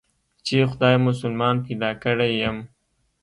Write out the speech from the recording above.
چې خداى مسلمان پيدا کړى يم.